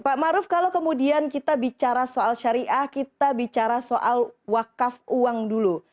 pak maruf kalau kemudian kita bicara soal syariah kita bicara soal wakaf uang dulu